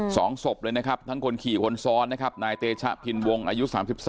สองศพเลยนะครับทั้งคนขี่คนซ้อนนะครับนายเตชะพินวงอายุสามสิบสาม